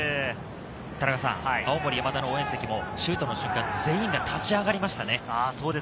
青森山田の応援席もシュートの瞬間、全員が立ち上がりました。